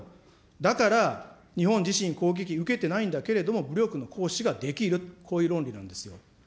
だから、日本自身、攻撃受けてないんだけれども、武力の行使ができる、こういう論理なんですよ。